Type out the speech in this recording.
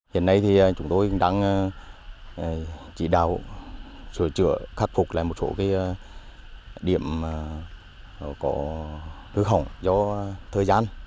hiện nay thì chúng tôi cũng đang chỉ đạo sửa chữa khắc phục lại một số điểm có hư hỏng do thời gian